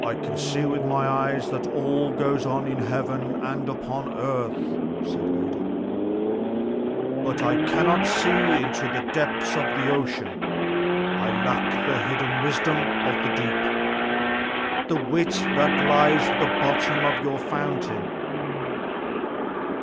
"I can see with my eyes all that goes on in heaven and upon earth," said Odin, "but I cannot see into the depths of ocean. I lack the hidden wisdom of the deep, the wit that lies at the bottom of your fountain.